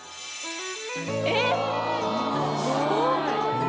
えっすごっ。